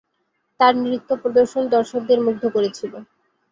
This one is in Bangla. তাঁর নৃত্য প্রদর্শন দর্শকদের মুগ্ধ করেছিল।